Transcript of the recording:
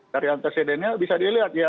dari antecedennya bisa dilihat